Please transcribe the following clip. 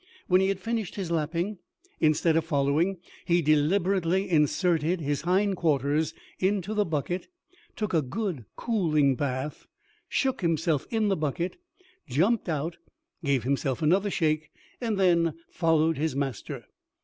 When he had finished his lapping, instead of following, he deliberately inserted his hind quarters into the bucket took a good cooling bath shook himself in the bucket jumped out gave himself another shake, and then followed his master.